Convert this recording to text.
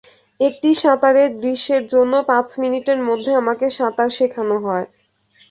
একটি সাঁতারের দৃশ্যের জন্য পাঁচ মিনিটের মধ্যে আমাকে সাঁতার শেখানো হয়।